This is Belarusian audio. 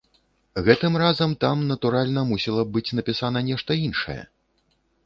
Гэтым разам там, натуральна, мусіла б быць напісана нешта іншае.